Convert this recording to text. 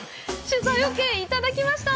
取材オーケー、いただきました！